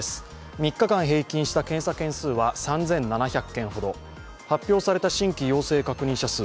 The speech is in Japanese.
３日間平均した検査件数は３７００件ほど発表された新規陽性確認者数